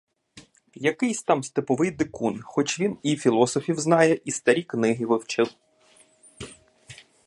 Якийсь там степовий дикун, хоч він і філософів знає, і старі книги вивчив.